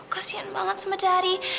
kasian banget sama dari